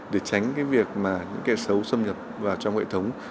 để tránh cái việc mà những kẻ xấu xâm nhập vào trong hệ thống